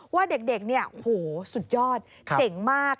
ว่าเด็กเนี่ยโอ้โหสุดยอดเจ๋งมาก